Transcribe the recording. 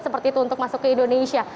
seperti itu untuk masuk ke indonesia